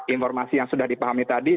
informasi yang sudah dipahami tadi